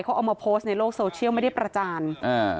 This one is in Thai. เขาเอามาโพสต์ในโลกโซเชียลไม่ได้ประจานอ่า